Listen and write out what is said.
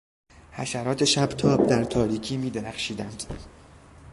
حشرات شبتاب در تاریکی میدرخشیدند.